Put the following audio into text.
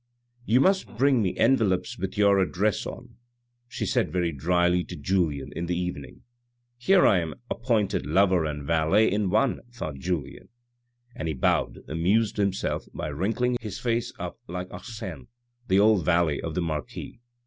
" You must bring me envelopes with your address on," she said very drily to Julien in the evening. " Here I am appointed lover and valet in one," thought Julien, and he bowed, amused himself by wrinkling his face up like Arsene, the old valet of the marquis.